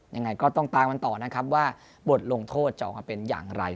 ยังไงก็ต้องตามกันต่อนะครับว่าบทลงโทษจะออกมาเป็นอย่างไร